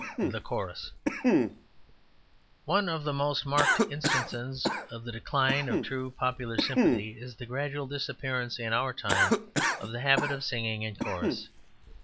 The Chorus One of the most marked instances of the decline of true popular sympathy is the gradual disappearance in our time of the habit of singing in chorus.